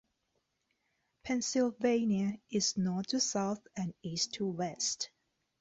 Pennsylvania is north to south and east to west.